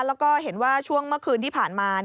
แล้วก็เห็นว่าช่วงเมื่อคืนที่ผ่านมา